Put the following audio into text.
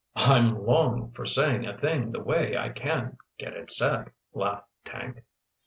"I'm long for saying a thing the way I can get it said," laughed Tank.